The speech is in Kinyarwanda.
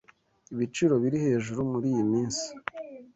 Ibiciro biri hejuru muriyi minsi.